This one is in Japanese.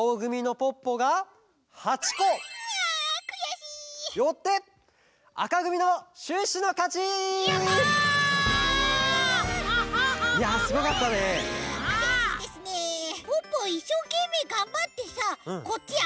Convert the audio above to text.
ポッポいっしょうけんめいがんばってさこっちあ